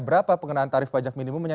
berapa pengenaan tarif pajak minimumnya